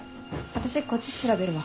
私こっち調べるわ。